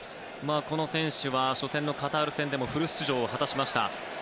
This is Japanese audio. この選手は初戦のカタール戦でもフル出場を果たしました。